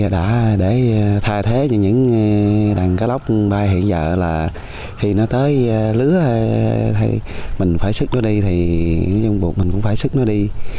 đã để thay thế cho những đàn cá lóc bay hiện giờ là khi nó tới lứa hay mình phải xức nó đi thì mình cũng phải xức nó đi